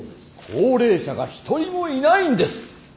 高齢者が一人もいないんです。